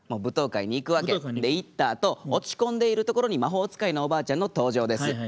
舞踏会に。で行ったあと落ち込んでいるところに魔法使いのおばあちゃんの登場です。